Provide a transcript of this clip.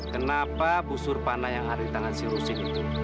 kenapa busur panah yang ada di tangan si musik itu